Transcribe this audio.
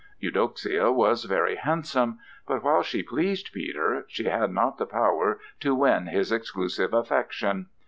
Eudoxia was very handsome, but, while she pleased Peter, she had not the power to win his exclusive affection.